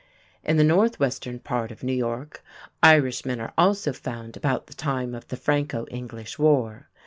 In the northwestern part of New York, Irishmen are also found about the time of the Franco English war.